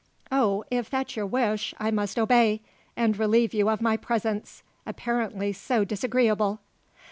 "Oh, if that's your wish, I must obey, and relieve you of my presence, apparently so disagreeable."